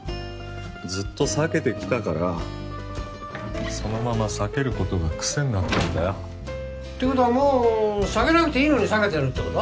ずっと避けてきたからそのまま避ける事が癖になってるんだよ。って事はもう避けなくていいのに避けてるって事？